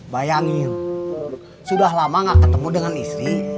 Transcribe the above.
bayangin sudah lama gak ketemu dengan istri